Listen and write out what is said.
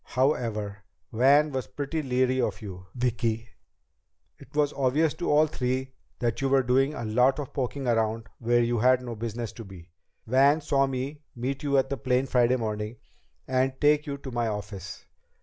"However, Van was pretty leery of you, Vicki. It was obvious to all three that you were doing a lot of poking around where you had no business to be. Van saw me meet you at the plane Friday morning and take you to my office.